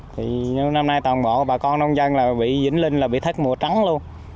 thì năm nay toàn bộ bà con nông dân bị dính linh là bị thất mùa trắng luôn